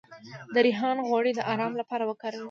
د ریحان غوړي د ارام لپاره وکاروئ